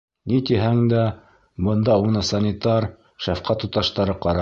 Ни тиһәң дә, бында уны санитар, шәфҡәт туташтары ҡарай.